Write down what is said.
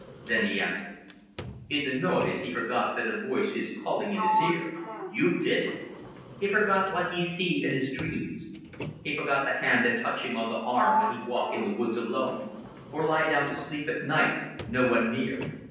Then he answered: "In the noise he forget that a voice is calling in his ear, 'You did It!' He forget what he see in his dreams. He forget the hand that touch him on the arm when he walk in the woods alone, or lie down to sleep at night, no one near.